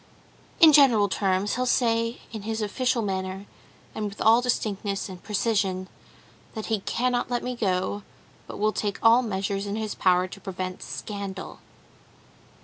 "In general terms, he'll say in his official manner, and with all distinctness and precision, that he cannot let me go, but will take all measures in his power to prevent scandal.